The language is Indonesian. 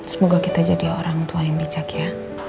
semoga kita jadi orang tua yang bijak ya